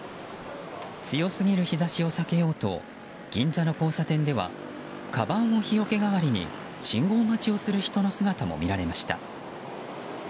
強すぎる日差しを避けようと銀座の交差点ではかばんを日よけ代わりに信号待ちをする人の姿も見られました。